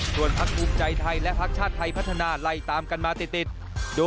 ส่วนพักภูมิใจไทยและพักชาติไทยพัฒนาไล่ตามกันมาติด